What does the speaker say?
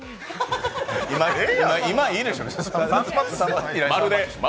今いいでしょう。